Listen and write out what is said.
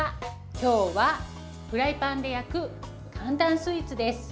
今日は、フライパンで焼く簡単スイーツです。